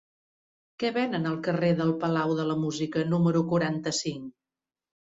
Què venen al carrer del Palau de la Música número quaranta-cinc?